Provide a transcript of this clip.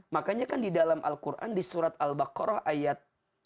makanya kan di dalam al qur'an di surat al baqarah ayat satu ratus lima puluh dua